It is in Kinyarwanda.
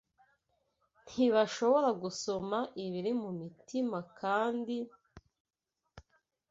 Ntibashobora gusoma ibiri mu mitima kandi,